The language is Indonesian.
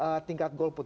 maksudnya tingkat golput